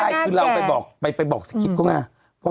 ไม่ใช่คือเราไปบอกสคริปตรงนั้น